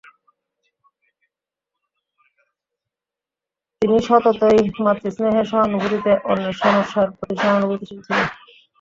তিনি সততই মাতৃস্নেহে, সহানুভূতিতে, অন্যের সমস্যার প্রতি সহানুভূতিশীল ছিলেন।